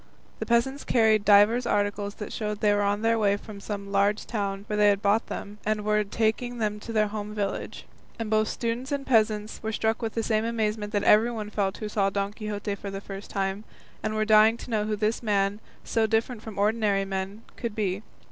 The peasants carried divers articles that showed they were on their way from some large town where they had bought them, and were taking them home to their village; and both students and peasants were struck with the same amazement that everybody felt who saw Don Quixote for the first time, and were dying to know who this man, so different from ordinary men, could be.